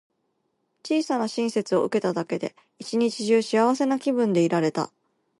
小さな親切を受けただけで、一日中幸せな気分でいられた。